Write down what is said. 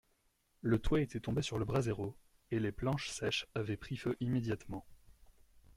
Le toit était tombé sur le brasero, et les planches sèches avaient pris feu immédiatement.